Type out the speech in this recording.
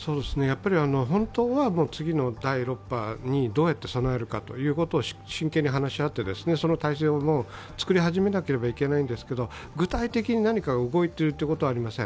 本当は次の第６波にどうやって備えるかということを真剣に話し合って、その体制を作り始めなければいけないんですけど具体的に何かが動いているということはありません。